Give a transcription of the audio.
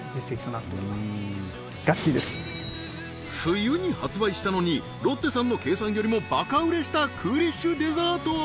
冬に発売したのにロッテさんの計算よりもバカ売れしたクーリッシュデザート